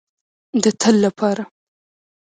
د تل لپاره.